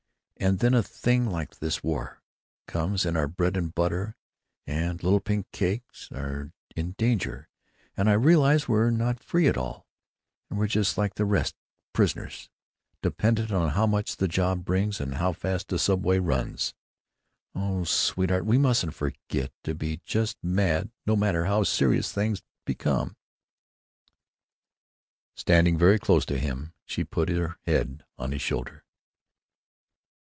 And then a thing like this war comes and our bread and butter and little pink cakes are in danger, and I realize we're not free at all; that we're just like all the rest, prisoners, dependent on how much the job brings and how fast the subway runs. Oh, sweetheart, we mustn't forget to be just a bit mad, no matter how serious things become." Standing very close to him, she put her head on his shoulder.